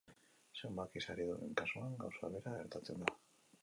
Zenbaki saridunen kasuan gauza bera gertatzen da.